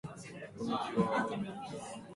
Du Bois and was heavily influenced by Du Bois.